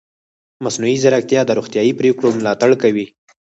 مصنوعي ځیرکتیا د روغتیايي پریکړو ملاتړ کوي.